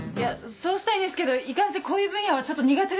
そうしたいんですけどいかんせんこういう分野はちょっと苦手でして。